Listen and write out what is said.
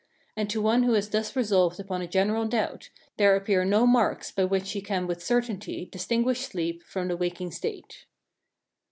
And to one who has thus resolved upon a general doubt, there appear no marks by which he can with certainty distinguish sleep from the waking state.